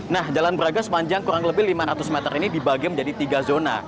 nah jalan braga sepanjang kurang lebih lima ratus meter ini dibagi menjadi tiga zona